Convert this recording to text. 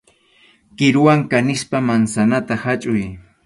Kiruwan kanispa mansanata khachuy.